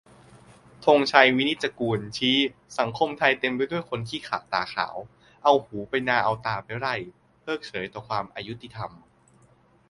ธงชัย วินิจจะกูล ชี้สังคมไทยเต็มไปด้วยคนขี้ขลาดตาขาว เอาหูไปนาเอาตาไปไร่ เพิกเฉยต่อความอยุติธรรม